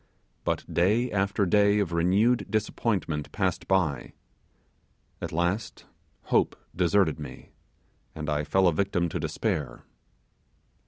But day after day of renewed disappointment passed by; at last hope deserted me, and I fell a victim to despair.